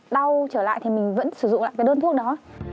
đau trở lại thì mình vẫn sử dụng lại cái đơn thuốc đó